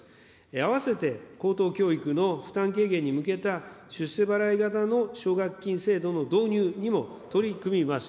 併せて高等教育の負担軽減に向けた、出世払い型の奨学金制度の導入にも取り組みます。